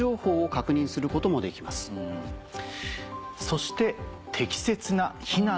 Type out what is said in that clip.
そして。